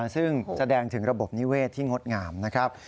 ซึ่งแสดงถึงระบบนิเวศที่งดงามนะครับ